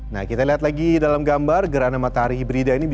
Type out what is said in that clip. nah kita lihat lagi dalam gambar gerhana matahari hibrida ini